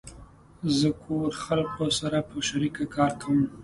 زه کور خلقو سره په شریکه کار کوم